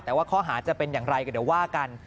แต่ว่าข้อหาจะเป็นอย่างไรก็เดี๋ยวว่ากัน